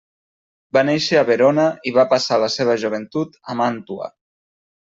Va néixer a Verona i va passar la seva joventut a Màntua.